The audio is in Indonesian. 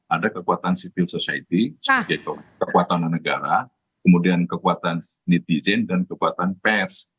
ada kekuatan civil society sebagai kekuatan negara kemudian kekuatan netizen dan kekuatan pers